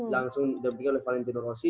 langsung didampingi oleh valentino rossi